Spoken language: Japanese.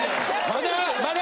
まだ。